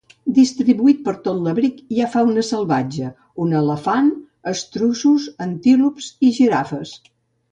Distribuït per tot l'abric hi ha fauna salvatge: un elefant, estruços, antílops i girafes.